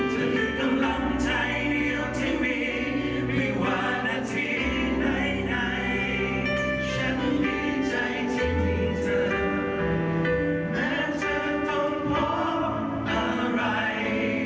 ฉันดีใจที่มีเธอแม้เธอต้องเพราะอะไร